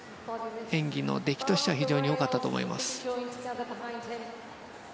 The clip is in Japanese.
演技の出来としては非常に良かったと思います。